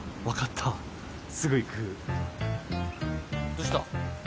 どうした？